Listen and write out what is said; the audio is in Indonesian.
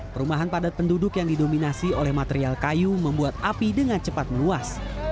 perumahan padat penduduk yang didominasi oleh material kayu membuat api dengan cepat meluas